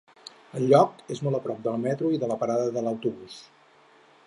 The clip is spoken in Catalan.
El lloc és molt a prop del metro i de la parada de l'autobús.